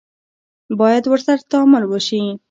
باید ورسره تعامل وشي.